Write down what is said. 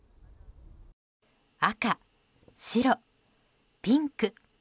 赤、白、ピンク。